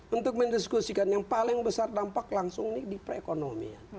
untuk mendiskusikan yang paling besar dampak langsung ini di perekonomian